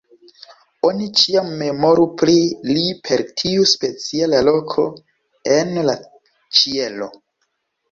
Oni ĉiam memoru pri li per tiu speciala loko en la ĉielo.